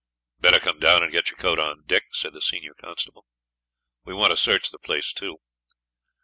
'Better come down and get your coat on, Dick,' said the senior constable. 'We want to search the place, too.